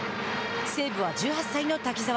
西武は１８歳の滝澤。